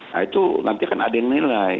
nah itu nanti akan ada yang nilai